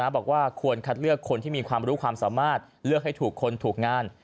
บอกว่าควรคัดเลือกคนที่มีความรู้ความสามารถเลือกให้ถูกคนถูกงาน